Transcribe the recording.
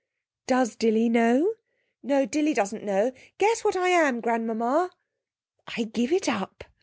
'Does Dilly know?' 'No, Dilly doesn't know. Guess what I am, grandmamma!' 'I give it up.'